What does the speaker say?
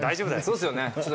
そうですよね。